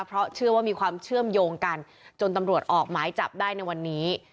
เพราะเชื่อว่ามีความเชื่อมโยงกันจนตำรวจออกหมายจับได้ในวันนี้